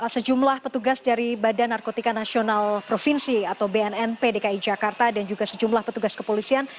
sejumlah petugas dari badan narkotika nasional provinsi atau bnnp dki jakarta dan juga sejumlah petugas kepolisian